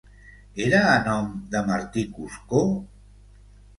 Era a nom de Martí Cuscó?